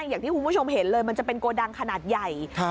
อย่างที่คุณผู้ชมเห็นเลยมันจะเป็นโกดังขนาดใหญ่